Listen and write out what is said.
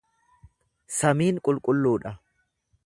Samiin qulqulluu dha.